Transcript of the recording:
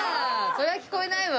そりゃ聞こえないわ。